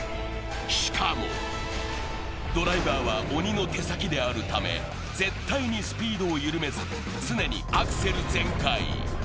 しかもドライバーは鬼の手先であるため絶対にスピードを緩めず常にアクセル全開